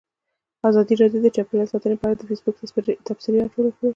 ازادي راډیو د چاپیریال ساتنه په اړه د فیسبوک تبصرې راټولې کړي.